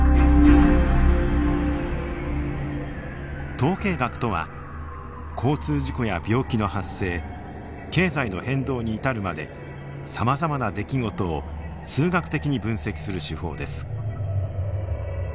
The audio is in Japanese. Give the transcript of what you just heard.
統計学とは交通事故や病気の発生経済の変動に至るまでさまざまな出来事を数学的に分析する手法です。